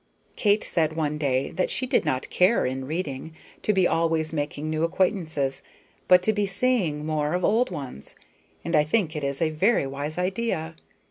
Kate said one day that she did not care, in reading, to be always making new acquaintances, but to be seeing more of old ones; and I think it is a very wise idea.